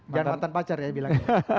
jangan mantan pacar ya bilang